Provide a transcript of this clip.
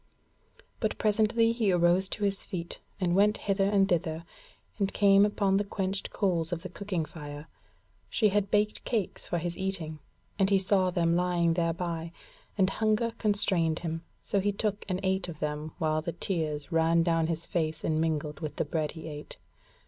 But presently he arose to his feet and went hither and thither, and came upon the quenched coals of the cooking fire: she had baked cakes for his eating, and he saw them lying thereby, and hunger constrained him, so he took and ate of them while the tears ran down his face and mingled with the bread he ate.